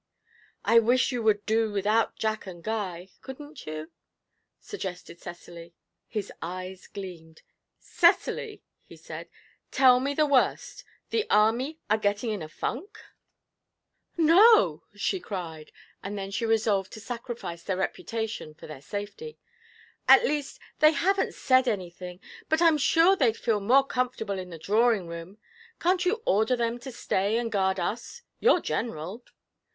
'I wish you would do without Jack and Guy. Couldn't you?' suggested Cecily. His eyes gleamed. 'Cecily,' he said, 'tell me the worst the army are getting in a funk?' 'No,' she cried; and then she resolved to sacrifice their reputation for their safety. 'At least, they haven't said anything; but I'm sure they'd feel more comfortable in the drawing room. Can't you order them to stay and guard us? You're General.'